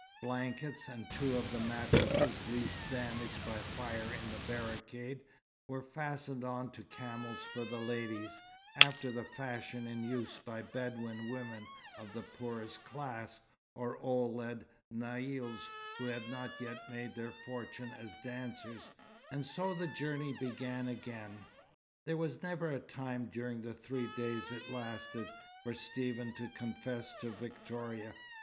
Blankets, and two of the mattresses least damaged by fire in the barricade, were fastened on to camels for the ladies, after the fashion in use for Bedouin women of the poorest class, or Ouled Naïls who have not yet made their fortune as dancers; and so the journey began again. There was never a time during the three days it lasted, for Stephen to confess to Victoria.